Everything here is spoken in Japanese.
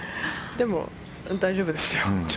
でも大丈夫でしたよ。